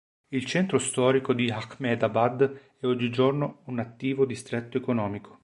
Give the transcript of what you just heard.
Il centro storico di Ahmedabad è oggigiorno un attivo distretto economico.